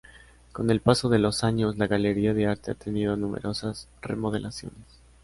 Con el paso de los años, la galería de arte ha tenido numerosas remodelaciones.